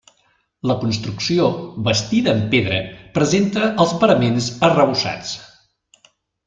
La construcció, bastida en pedra, presenta els paraments arrebossats.